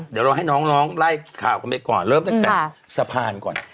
เดี๋ยวเราให้น้องไล่ข่าวกันไปก่อนเริ่มตั้งแต่สะพานก่อน